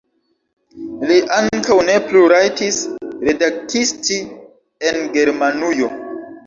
Li ankaŭ ne plu rajtis redaktisti en Germanujo.